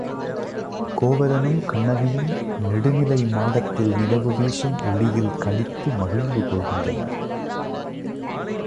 கோவலனும் கண்ணகியும் நெடுநிலை மாடத்தில் நிலவு வீசும் ஒளியில் களித்து மகிழ்வு கொள்கின்றனர்.